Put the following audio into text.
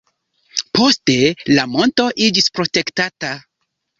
Poste la monto iĝis protektata.